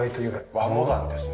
和モダンですね。